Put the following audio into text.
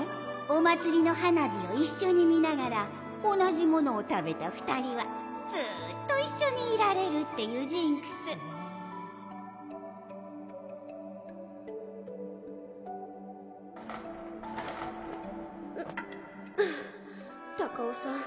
⁉お祭りの花火を一緒に見ながら同じものを食べた２人はずーっと一緒にいられるっていうジンクスハァタカオさん